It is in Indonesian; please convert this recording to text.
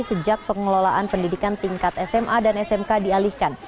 sejak pengelolaan pendidikan tingkat sma dan smk dialihkan